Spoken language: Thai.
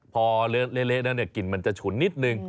พอเละแล้วกลิ่นมันจะฉุนนิดนึง